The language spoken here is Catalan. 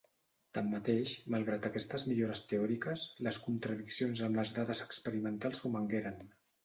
Tanmateix, malgrat aquestes millores teòriques, les contradiccions amb les dades experimentals romangueren.